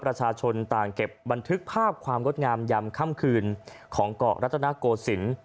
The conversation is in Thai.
ประชาชนต่างเก็บบันทึกภาพความงดงามยำค่ำคืนของเกาะรัตนโกศิลป์